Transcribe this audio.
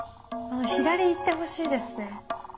左行ってほしいですね。